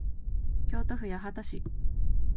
京都府八幡市